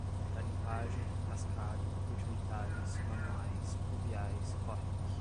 garimpagem, cascalho, rudimentares, manuais, pluviais, córregos